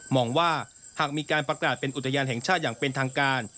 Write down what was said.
ว่าหากมีการประกาศเป็นอุทยานแห่งชาติอย่างเป็นทางการ